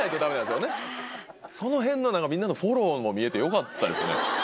そのへんのみんなのフォローも見えてよかったですね。